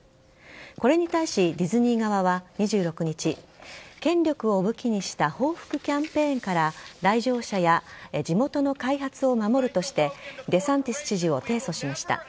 これに対しディズニー側は２６日権力を武器にした報復キャンペーンから来場者や地元の開発を守るとしてデサンティス知事を提訴しました。